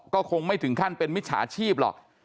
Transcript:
ก็คงไม่ถึงขั้นเป็นมิจฉาชีพหรอก